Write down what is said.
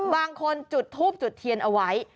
บางคนจุดทูบจุดเทียนเอาไว้